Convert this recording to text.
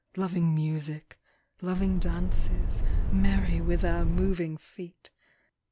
Loving music, loving dances. Merry with our moving feet